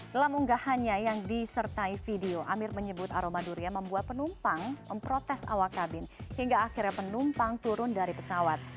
dalam unggahannya yang disertai video amir menyebut aroma durian membuat penumpang memprotes awak kabin hingga akhirnya penumpang turun dari pesawat